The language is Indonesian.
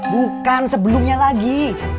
bukan sebelumnya lagi